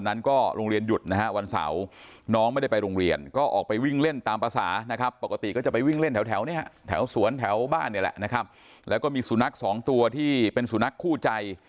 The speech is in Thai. แถวสวนแถวบ้านเนี่ยแหละนะครับแล้วก็มีสุนัขสองตัวที่เป็นสุนัขคู่ใจ